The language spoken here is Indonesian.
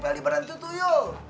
nempel di beratnya tutuyul